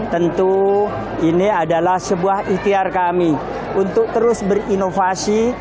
tentu ini adalah sebuah ikhtiar kami untuk terus berinovasi